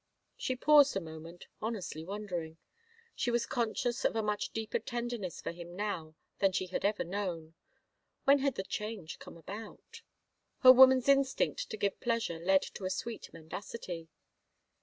She paused a moment, honestly wondering. She was conscious of a much deeper tenderness for him now than she had ever known. When had the change come about ?... Her woman's instinct to give pleasure led to a sweet mendacity.